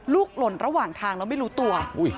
หล่นระหว่างทางแล้วไม่รู้ตัว